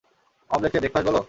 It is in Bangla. অমলেটকে ব্রেকফাস্ট বলো?